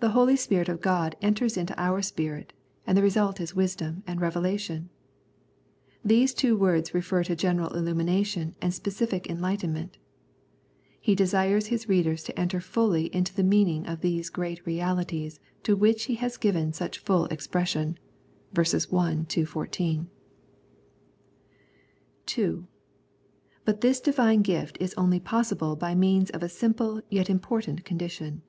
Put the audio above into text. The Holy Spirit of God enters into our spirit, and the result is vdsdom and revelation. These two words refer to general illumination and specific enlightenment. He desires his readers to enter fully into the meaning of these great realities to which he has given such full expression (vers. 1 14). (2) But this Divine gift is only possible by means of a simple yet important condition.